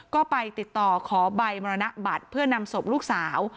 ก็ไปติดต่อขอใบมรณบัตรเพื่อนำศพลูกสาว